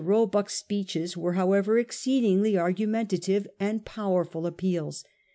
Roe buck's speeches were, however, exceedingly argumen tative and powerful appeals.